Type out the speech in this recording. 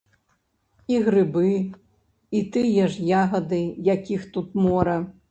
І грыбы, і тыя ж ягады, якіх тут мора.